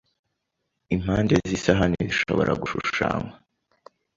Impande z'isahani zishobora gushushanywa